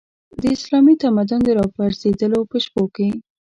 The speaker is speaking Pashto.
د اسلامي تمدن د راپرځېدلو په شپو کې.